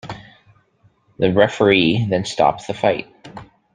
The referee then stopped the fight.